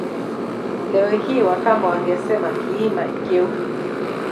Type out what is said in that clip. Leo hii Wakamba wangesema Kiima Kyeu